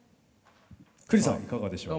栗さんいかがでしょう。